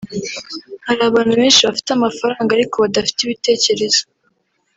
Hari abantu benshi bafite amafaranga ariko badafite ibitekerezo